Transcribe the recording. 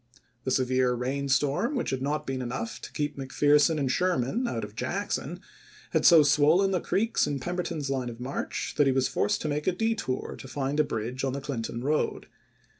The severe rain storm, which had not been enough to keep McPherson and Sherman out of Jackson, had so swollen the creeks in Pemberton's line of march that he was forced to make a detour to find a bridge on the Clinton road.